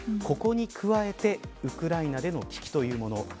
ここに加えてウクライナでの危機というもの。